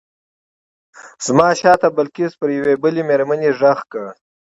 زما شاته بلقیس پر یوې بلې مېرمنې غږ کړ.